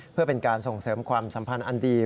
เพื่อเป็นการส่งเสริมความสัมพันธ์อันดี